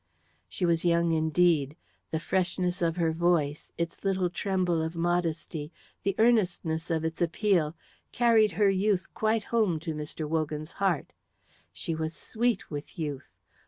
She was young indeed. The freshness of her voice, its little tremble of modesty, the earnestness of its appeal, carried her youth quite home to Mr. Wogan's heart. She was sweet with youth.